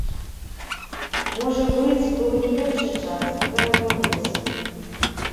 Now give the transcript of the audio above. Можа быць, быў не лепшы час, вы адмовіліся.